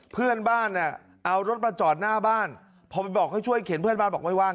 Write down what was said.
เพื่อนบ้านเนี่ยเอารถมาจอดหน้าบ้านพอไปบอกให้ช่วยเข็นเพื่อนบ้านบอกไม่ว่าง